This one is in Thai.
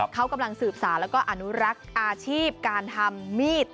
เขากำลังสืบสารแล้วก็อนุรักษ์อาชีพการทำมีด